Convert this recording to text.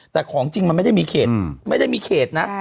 แต่ของจริงมันไม่ได้มีเขตไม่ได้มีเขตนะ